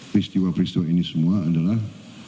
peristiwa peristiwa ini semua adalah